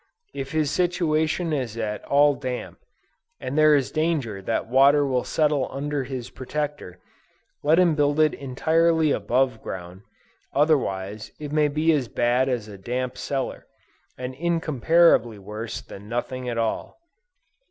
If his situation is at all damp, and there is danger that water will settle under his Protector, let him build it entirely above ground; otherwise it may be as bad as a damp cellar, and incomparably worse than nothing at all.